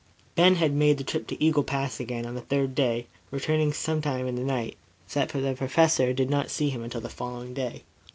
Ben had made the trip to Eagle Pass again on the third day, returning some time in the night, so that the Professor did not see him until the following day.